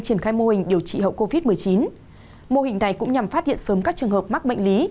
triển khai mô hình điều trị hậu covid một mươi chín mô hình này cũng nhằm phát hiện sớm các trường hợp mắc bệnh lý